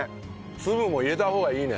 粒も入れた方がいいね